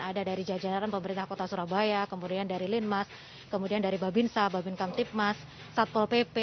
ada dari jajaran pemerintah kota surabaya kemudian dari linmas kemudian dari babinsa babin kamtipmas satpol pp